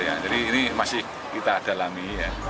jadi ini masih kita dalami